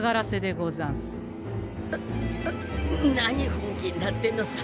本気になってんのさ。